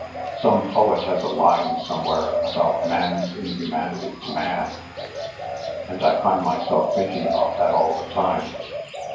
Some poet has a line somewhere about man's inhumanity to man, and I find myself thinking about that all the time.